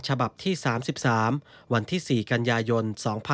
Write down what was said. ฉบับที่๓๓วันที่๔กันยายน๒๕๖๒